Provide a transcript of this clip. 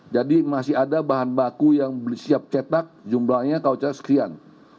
jadi masih ada bahan baku yang siap cetak jumlahnya kauca sekian